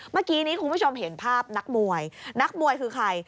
เมื่อกี้นี้คุณผู้ชมเห็นภาพนักมวยนักมวยคือใคร